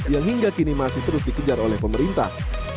yang hingga kini masih terus dikejar oleh pemerintah